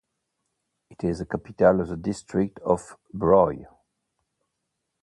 It is the capital of the district of Broye.